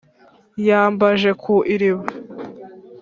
Ya Mbanje ku iriba